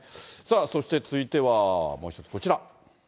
そして、続いては、もう一つこちら。